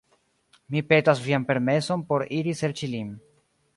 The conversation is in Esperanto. Mi petas vian permeson por iri serĉi lin.”